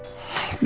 aku mau pergi